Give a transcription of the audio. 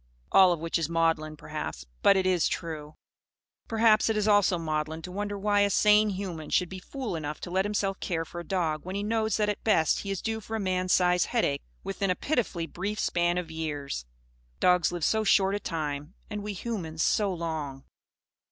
All of which is maudlin, perhaps; but it is true. Perhaps it is also maudlin to wonder why a sane human should be fool enough to let himself care for a dog, when he knows that at best he is due for a man's size heartache within a pitifully brief span of years. Dogs live so short a time; and we humans so long!